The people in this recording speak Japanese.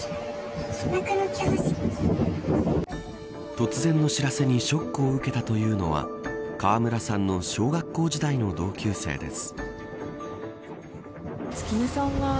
突然の知らせにショックを受けたというのは川村さんの小学校時代の同級生です。